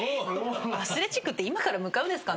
アスレチックって今から向かうんですかね。